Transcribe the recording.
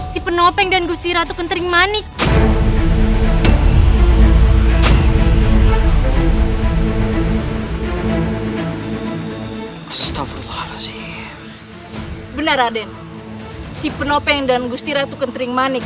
si penopeng dan gusti ratu kentering manik